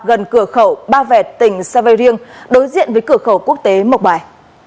gần cửa khẩu ba vẹt tỉnh sa vây riêng đối diện với cửa khẩu quốc tế mộc bài